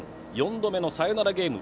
４度目のサヨナラゲーム。